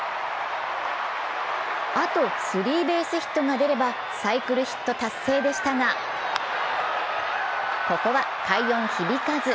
あとスリーベースが出ればサイクルヒット達成でしたが、ここは快音響かず。